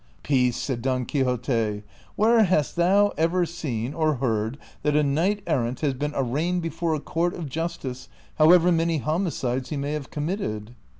" Peace," said Don Qiiixote ;'' Avhere hast thou ever seen or heard that a knight errant has been arraigned before a court of justice, however many hondcides he may have committed